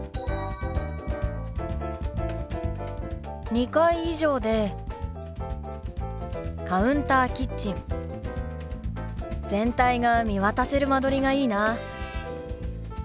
２階以上でカウンターキッチン全体が見渡せる間取りがいいな。